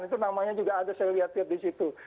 itu namanya juga ada saya lihat lihat di situ